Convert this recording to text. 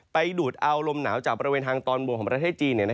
ไปดูดเอาลมหนาวจากบริเวณทางตอนบนของประเทศจีน